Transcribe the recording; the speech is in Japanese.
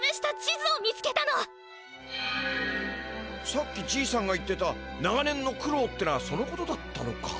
さっきじいさんが言ってた「長年のくろう」ってのはそのことだったのか。